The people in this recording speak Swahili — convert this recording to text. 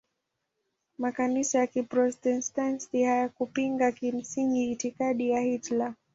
Makanisa ya Kiprotestanti hayakupinga kimsingi itikadi ya Hitler.